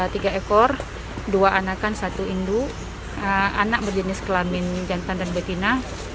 tiga ekor dua anakan satu indu anak berjenis kelamin jantan dan betina